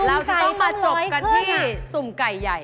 เราจะต้องมาจบกันที่สุ่มไก่ใหญ่